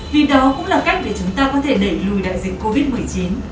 vì đó cũng là cách để chúng ta có thể đẩy lùi đại dịch covid một mươi chín